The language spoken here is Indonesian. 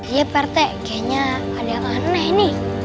iya pt kayaknya ada yang aneh nih